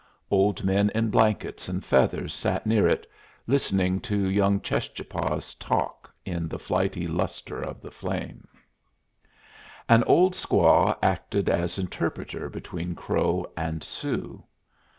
Old men in blankets and feathers sat near it, listening to young Cheschapah's talk in the flighty lustre of the flames. An old squaw acted as interpreter between Crow and Sioux.